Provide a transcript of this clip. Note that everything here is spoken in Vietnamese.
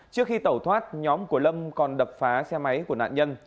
trước khi tẩu thoát nhóm của lâm còn đập phá xe máy của nạn nhân